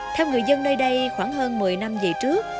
theo người dân nơi đây khoảng hơn một mươi năm về trước